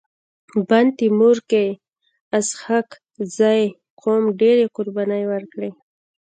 بند تيمور کي اسحق زي قوم ډيري قرباني ورکړي.